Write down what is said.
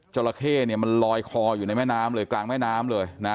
จราเข้เนี่ยมันลอยคออยู่ในแม่น้ำเลยกลางแม่น้ำเลยนะ